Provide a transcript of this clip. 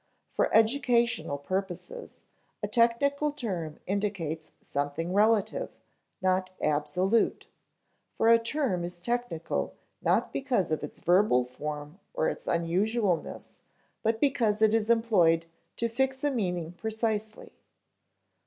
For educational purposes, a technical term indicates something relative, not absolute; for a term is technical not because of its verbal form or its unusualness, but because it is employed to fix a meaning precisely.